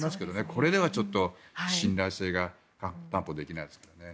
これではちょっと信頼性が担保できないですね。